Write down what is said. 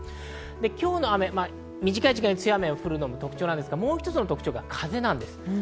今日の雨、短い時間で強い雨が降るのが特徴なんですが、もう一つ、風なんです。